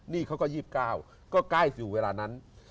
นี่เขาก็๒๙ก็ใกล้สู่เวลานั้น